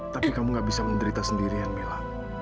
tapi kamu gak bisa menderita sendirian mila